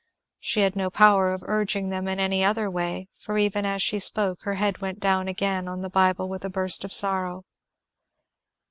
She had no power of urging them in any other way, for even as she spoke her head went down again on the bible with a burst of sorrow.